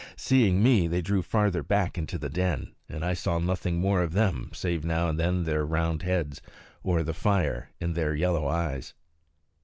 Seeing me they drew farther back into the den, and I saw nothing more of them save now and then their round heads, or the fire in their yellow eyes.